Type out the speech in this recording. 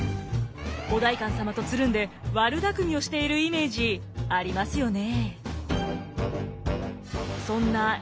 お代官様とつるんで悪だくみをしているイメージありますよね？